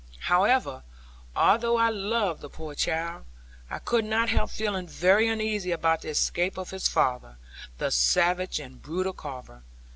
However, although I loved the poor child, I could not help feeling very uneasy about the escape of his father, the savage and brutal Carver.